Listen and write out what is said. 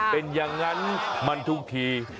เป็นอย่างนั้นมันทุกที